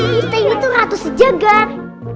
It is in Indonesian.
kita ini tuh ratu sejagar